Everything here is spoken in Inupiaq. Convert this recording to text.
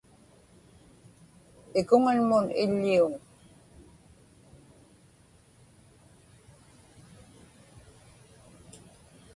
ikuŋanmun iḷḷiuŋ